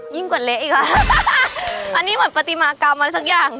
ยิ่งกว่าเละอีกหรออันนี้เหมือนปะติมะกาวมันสักอย่าง